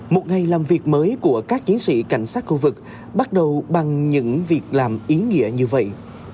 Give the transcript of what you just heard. một ngày làm việc mới của các chiến sĩ cảnh sát khu vực bắt đầu bằng những việc làm ý nghĩa như vậy